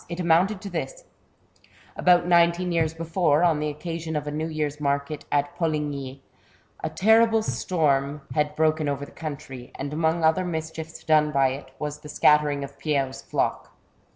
It amounted to this: — About nineteen years before, on the occasion of a New Year's market at Poligny, a terrible storm had 70 THE BOOK OF WERE WOLVBS. broken over the country, and among other mischiefs done by it, was the scattering of Pierre's flock.